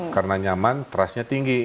karena nyaman trustnya tinggi